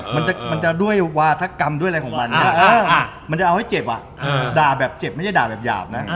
ไม่ได้หยาบอย่างเดียว